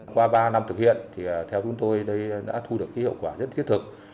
qua ba năm thực hiện thì theo chúng tôi đã thu được hiệu quả rất thiết thực